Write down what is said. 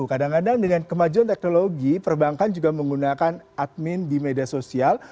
kadang kadang dengan kemajuan teknologi perbankan juga menggunakan admin di media sosial